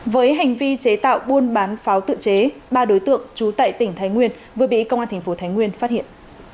với hành vi chế tạo buôn bán pháo tự chế ba đối tượng trú tại tỉnh thái nguyên vừa bị công an thành phố thái nguyên phát hiện